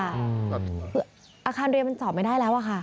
อาคารเรียนมันจอดไม่ได้แล้วอะค่ะ